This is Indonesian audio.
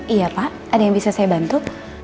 iya pak ada yang bisa saya bantu